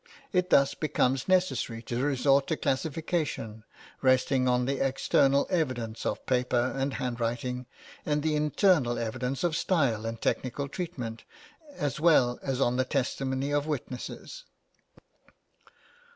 It thus becomes necessary to resort to classification resting on the external evidence of paper and handwriting, and the internal evidence of style and technical treatment, as well as on the testimony of witnesses.